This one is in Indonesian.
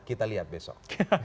kita lihat besok